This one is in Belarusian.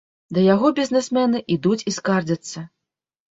Да яго бізнэсмены ідуць і скардзяцца.